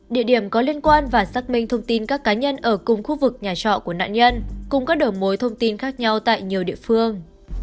địa điểm có liên quan và xác minh thông tin các cá nhân ở cùng khu vực nhà trọ của nạn nhân cùng các đầu mối thông tin khác nhau tại nhiều địa phương